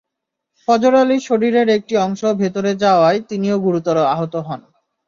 ফজর আলীর শরীরের একটি অংশ ভেতরে যাওয়ায় তিনিও গুরুতর আহত হন।